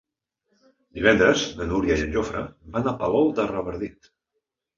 Divendres na Núria i en Jofre van a Palol de Revardit.